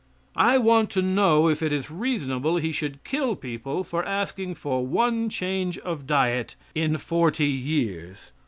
I want to know if it is reasonable He should kill people for asking for one change of diet in forty years.